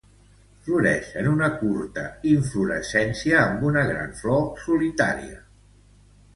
Florix en una curta inflorescència amb una gran flor solitària.